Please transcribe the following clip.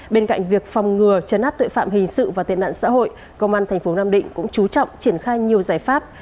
bên cạnh việc phòng ngừa chấn áp tội phạm hình sự và tiện nạn xã hội công an thành phố nam định cũng chú trọng triển khai nhiều giải pháp